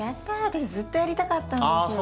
私ずっとやりたかったんですよ。